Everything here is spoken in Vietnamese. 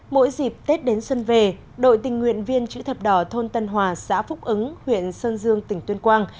mỗi dịp tết đến xuân về đội tình nguyện viên chữ thập đỏ thôn tân hòa xã phúc ứng huyện sơn dương tỉnh tuyên quang